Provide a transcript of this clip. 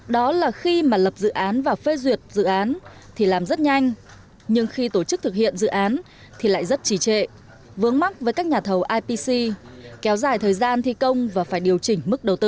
đó là khi mà lập dự án và phê duyệt dự án thì làm rất nhanh nhưng khi tổ chức thực hiện dự án thì lại rất trí trệ vướng mắc với các nhà thầu ipc kéo dài thời gian thi công và phải điều chỉnh mức đầu tư